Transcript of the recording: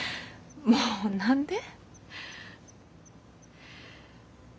もう何で？